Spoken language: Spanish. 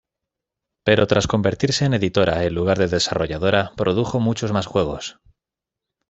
Pero tras convertirse en editora, en lugar de desarrolladora, produjo muchos más juegos.